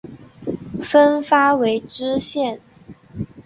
分发为知县。